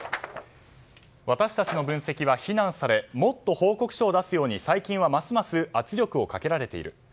私たちの分析は非難されもっと報告書を出すように最近は、ますます圧力をかけられている。